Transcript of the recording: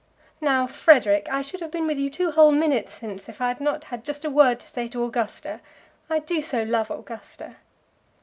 "Now, Frederic! I should have been with you two whole minutes since, if I had not had just a word to say to Augusta. I do so love Augusta."